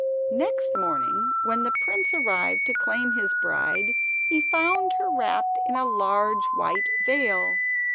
Next morning, when the prince arrived to claim his bride, he found her wrapped in a large white veil.